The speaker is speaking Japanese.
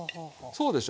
そうでしょ？